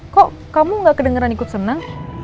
kok kamu gak kedengeran ikut senang